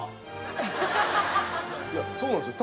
いやそうなんですよ。